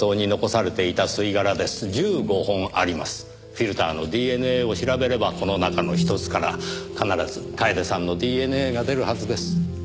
フィルターのＤＮＡを調べればこの中のひとつから必ず楓さんのＤＮＡが出るはずです。